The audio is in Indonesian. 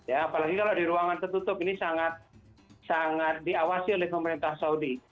ya apalagi kalau di ruangan tertutup ini sangat diawasi oleh pemerintah saudi